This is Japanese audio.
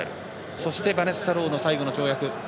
そして、バネッサ・ローの最後の跳躍。